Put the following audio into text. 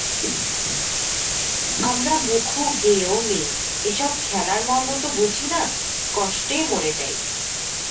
আমরা মুখু গেঁয়ো মেয়ে এসব খেলার মর্ম তো বুঝি না, কষ্টে মরে যাই।